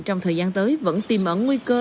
trong thời gian tới vẫn tìm ẩn nguy cơ